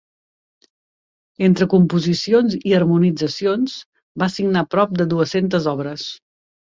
Entre composicions i harmonitzacions, va signar prop de dues-centes obres.